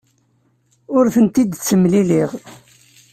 Ur tent-id-ttemlileɣ.